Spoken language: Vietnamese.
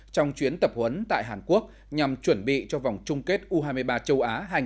trong chuyến tập huấn tại hàn quốc nhằm chuẩn bị cho vòng chung kết u hai mươi ba châu á hai nghìn hai mươi